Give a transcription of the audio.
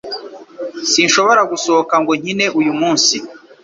Sinshobora gusohoka ngo nkine uyu munsi